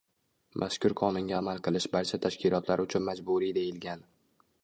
Mazkur Qonunga amal qilish barcha tashkilotlar uchun majburiy deyilgan.